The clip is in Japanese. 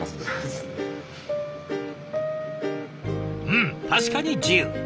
うん確かに自由。